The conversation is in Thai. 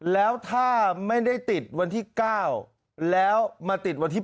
แล้วถ้าไม่ได้ติดวันที่๙แล้วมาติดวันที่๑